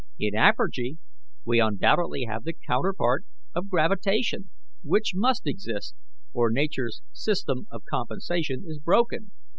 In apergy we undoubtedly have the counterpart of gravitation, which must exist, or Nature's system of compensation is broken.